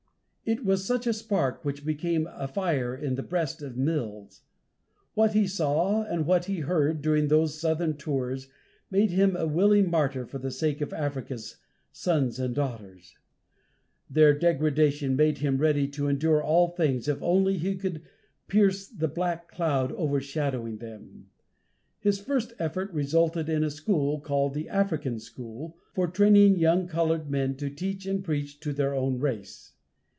It was such a spark which became a fire in the breast of Mills. What he saw and what he heard, during those southern tours, made him a willing martyr for the sake of Africa's sons and daughters. Their degradation made him ready to endure all things if only he could pierce the black cloud overshading them. His first effort resulted in a school, called the African School, for training young colored men to teach and preach to their own race.